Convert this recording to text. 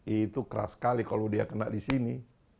itu keras sekali kalau dia kena di sini